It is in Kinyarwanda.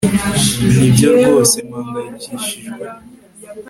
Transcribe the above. Nibyo rwose mpangayikishijwe